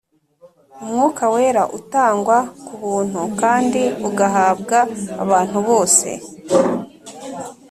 umwuka wera utangwa kubuntu kandi ugahabwa abantu bose